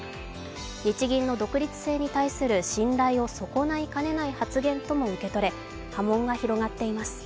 日銀の独立性に対する信頼を損ないかねない発言とも受け取れ波紋が広がっています。